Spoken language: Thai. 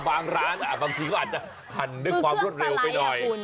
บางร้านบางชิ้นก็อาจจะฆ่าด้วยความรวดเร็วไปด้วย